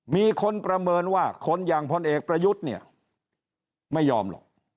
มีคนประเมินว่าคนอย่างพลเอกประยุทธ์เนี่ยไม่ยอมหรอก